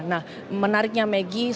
nah menariknya maggie